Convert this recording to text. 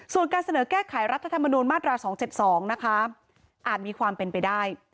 ส่วนการเสนอแก้ไขรัฐธรรมนูญมาตรา๒๗๒นะคะอาจมีความเป็นไปได้